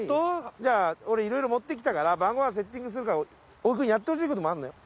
じゃあ俺いろいろ持ってきたからご飯セッティングするから木くんやってほしいこともあんのよ？